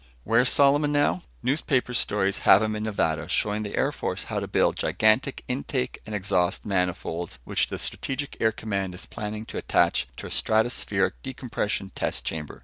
Where's Solomon now? Newspaper stories have him in Nevada showing the Air Force how to build gigantic intake and exhaust manifolds, which the Strategic Air Command is planning to attach to a stratospheric decompression test chamber.